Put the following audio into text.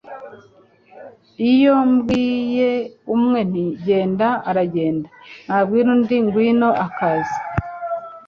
Iyo mbwiye umwe nti: genda, aragenda. Nabwira undi nti: ngwino, akaza.